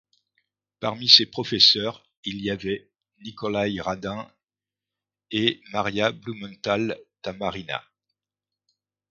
Parmi ses professeurs il y avait Nikolaï Radin et Maria Blumenthal-Tamarina.